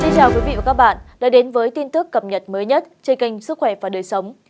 chào các bạn đã đến với tin tức cập nhật mới nhất trên kênh sức khỏe và đời sống